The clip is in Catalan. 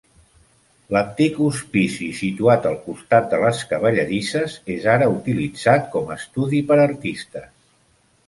L"antic hospici situat al costat de les cavallerisses és ara utilitzat com estudi per artistes.